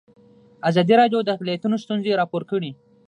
ازادي راډیو د اقلیتونه ستونزې راپور کړي.